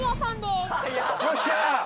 よっしゃ！